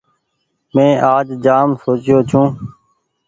مين آج جآم سوچيو ڇون ۔